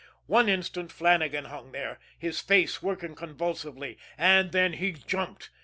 One instant Flannagan hung there, his face working convulsively and then he jumped.